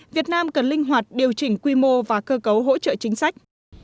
việt nam cần linh hoạt điều chỉnh quy mô và cơ cấu hỗ trợ chính sách